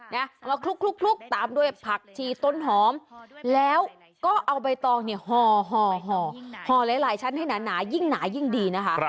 เอามาคลุกตามด้วยผักชีต้นหอมแล้วก็เอาใบตองเนี่ยห่อห่อหลายชั้นให้หนายิ่งหนายิ่งดีนะคะ